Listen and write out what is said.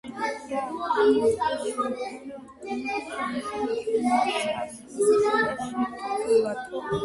და არა მარტო შეიფარა, არამედ თავისი უმშვენიერესი ასული ლედა შერთო ცოლად.